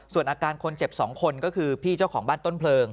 ส่วนอาการคนเจ็บ๒คนก็คือพี่เจ้าของบ้านต้นเพลิง